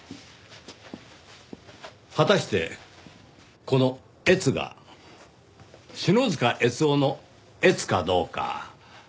果たしてこの「えつ」が篠塚悦雄の「えつ」かどうか。